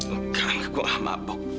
enggak aku gak mabuk